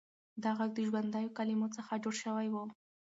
دا غږ د ژوندیو کلمو څخه جوړ شوی و.